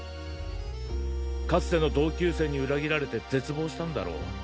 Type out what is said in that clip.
かつての同級生に裏切られて絶望したんだろう。